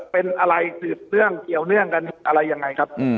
เป็นอะไรสืบเนื่องเกี่ยวเนื่องกันอะไรยังไงครับ